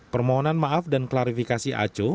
permohonan maaf dan klarifikasi aco